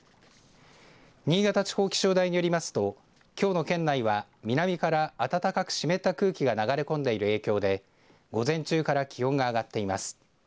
新潟地方気象台によりますときょうの県内は南から暖かく湿った空気が流れ込んでいる影響で午前中から気温が上がっています。